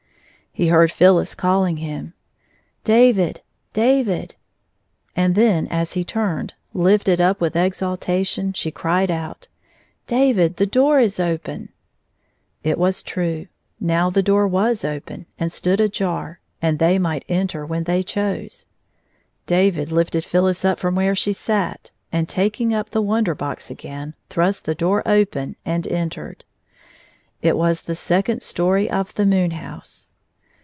He heard Phyllis caUing him, " David, David !" 165 and then as he turoed, lifted up with exaltatioOi she cried out, " David, the door is open !*' It was true! Now the door wm open, and stood ajar, and they might enter when they chose. David Ufted Phyllis up jfrom where she sat, and taking up the Wonder Box again, thrust the door open and entered. ....•• It was the second story of the moon house.